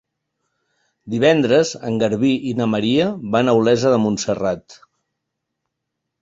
Divendres en Garbí i na Maria van a Olesa de Montserrat.